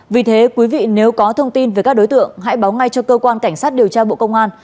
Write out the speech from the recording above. vì thế quý vị nếu có thông tin về các đối tượng hãy báo ngay cho cơ quan cảnh sát điều tra bộ công an